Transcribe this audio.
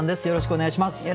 よろしくお願いします。